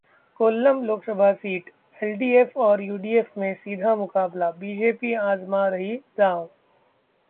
Kollam Lok Sabha seat LDF और UDF में सीधा मुकाबला, बीजेपी आजमा रही दांव